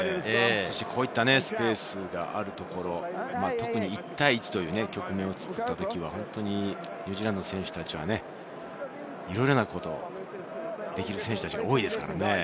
こういったスペースがあるところ、特に１対１という局面を作ったときは、本当にニュージーランドの選手たちはいろいろなことができる選手が多いですからね。